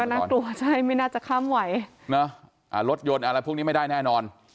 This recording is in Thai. น่ากลัวใช่ไม่น่าจะข้ามไหวรถยนต์อะไรพวกนี้ไม่ได้แน่นอน